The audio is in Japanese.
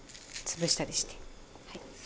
潰したりしてはい。